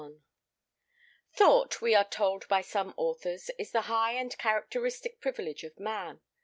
Thought, we are told by some authors, is the high and characteristic privilege of man.